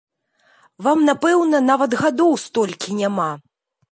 Вам, напэўна, нават гадоў столькі няма.